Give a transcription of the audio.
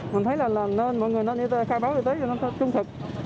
mình thấy là nên mọi người lên y tế khai báo y tế cho nó trung thực